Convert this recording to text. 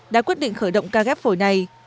đã quyết định khởi động ca ghép phổi này